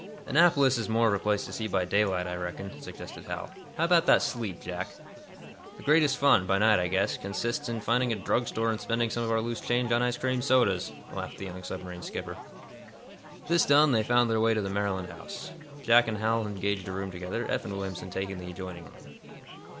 "Annapolis is more of a place to see by daylight, I reckon," suggested Hal. "How about that sleep, Jack?" "The greatest fun, by night, I guess, consists in finding a drug store and spending some of our loose change on ice cream sodas," laughed the young submarine skipper. This done, they found their way to the Maryland House. Jack and Hal engaged a room together, Eph and Williamson taking the adjoining one.